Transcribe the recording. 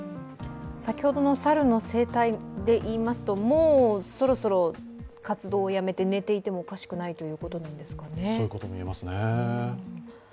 先ほどの猿の生体でいいますと、もうそろそろ活動をやめて寝ていてもおかしくないということなんですかね。